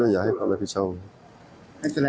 อยากให้ก่อนรับผิดชอบหรือเปล่า